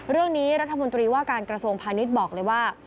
เรื่องนี้รัฐมนตรีว่าการกระทรวงพาณิชย์บอกเลยว่า